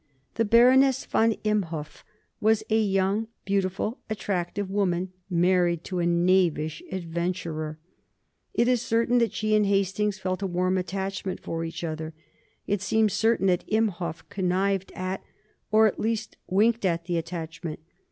The Baroness von Imhoff was a young, beautiful, attractive woman, married to a knavish adventurer. It is certain that she and Hastings felt a warm attachment for each other; it seems certain that Imhoff connived at, or at least winked at, the attachment.